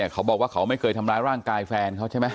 เขาบอกว่าเขาไม่เคยทำร้ายร่างกายแฟนเขาใช่ไหม